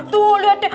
tuh liat deh